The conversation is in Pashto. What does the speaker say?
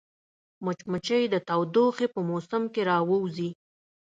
مچمچۍ د تودوخې په موسم کې راووځي